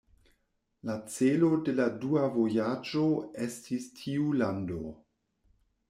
La celo de la dua vojaĝo estis tiu lando.